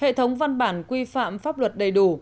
hệ thống văn bản quy phạm pháp luật đầy đủ